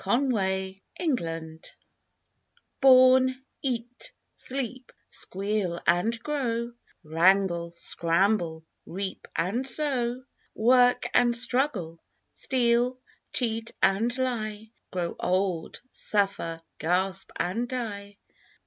TWO PHASES OF LIFE Born, eat, sleep, squeal and grow Wrangle, scramble, reap ard sow, Work and struggle, steal, cheat and lie, Grow old, suffer, gasp and die.